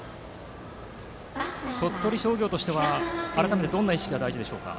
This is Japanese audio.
鳥取商業としては改めてどんな意識が大事でしょうか？